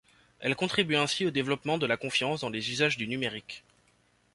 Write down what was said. Elle contribue ainsi au développement de la confiance dans les usages du numérique.